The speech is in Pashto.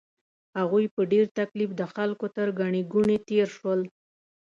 هغوی په ډېر تکلیف د خلکو تر ګڼې ګوڼې تېر شول.